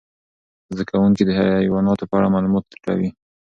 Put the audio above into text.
زده کوونکي د حیواناتو په اړه معلومات ټولوي.